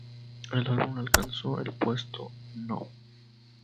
El álbum alcanzó el puesto no.